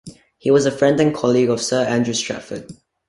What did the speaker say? He was a friend and colleague of Sir Andrew Stratford.